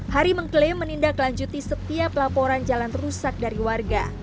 hari mengklaim menindaklanjuti setiap laporan jalan rusak dari warga